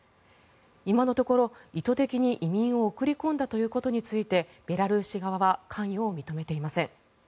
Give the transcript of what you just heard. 今のところ、意図的に移民を送り込んだということについてベラルーシ側は関与を認めていません。